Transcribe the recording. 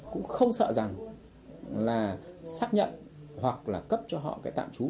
cũng không sợ rằng là xác nhận hoặc là cấp cho họ cái tạm trú